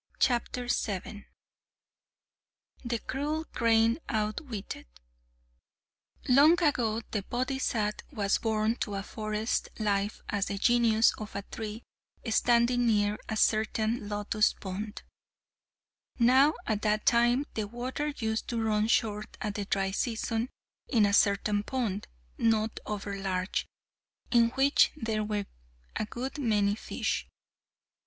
The Cruel Crane Outwitted Long ago the Bodisat was born to a forest life as the Genius of a tree standing near a certain lotus pond. Now at that time the water used to run short at the dry season in a certain pond, not over large, in which there were a good many fish.